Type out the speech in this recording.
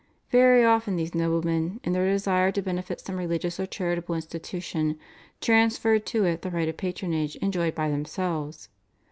Very often these noblemen in their desire to benefit some religious or charitable institution transferred to it the rights of patronage enjoyed by themselves.